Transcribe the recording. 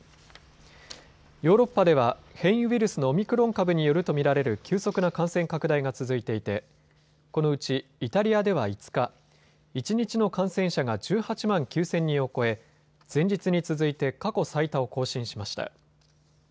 ヨーロッパでは変異ウイルスのオミクロン株によると見られる急速な感染拡大が続いていてこのうちイタリアでは５日、一日の感染者が１８万９０００人を超え前日に続いて過去最多を更新しました。